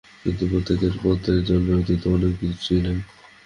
কিন্তু প্রত্যেক পাত্রেই জল ব্যতীত অন্য কিছু নাই।